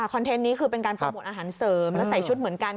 คอนเทนต์นี้คือเป็นการพอผลอาหารเสริมแล้วใส่ชุดเหมือนกัน